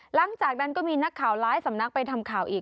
หลังจากนั้นก็มีนักข่าวหลายสำนักไปทำข่าวอีก